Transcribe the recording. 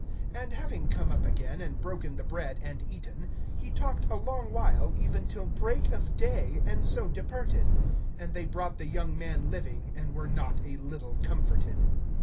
(11)And having come up again, and broken the bread, and eaten, he talked a long while even till break of day, and so departed. (12)And they brought the young man living, and were not a little comforted.